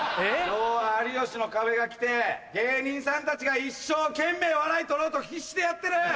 今日は『有吉の壁』が来て芸人さんたちが一生懸命笑い取ろうと必死でやってる！